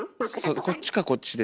こっちかこっちですね。